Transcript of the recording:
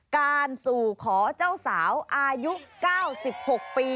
การสู่ขอเจ้าสาวอายุ๙๖ปี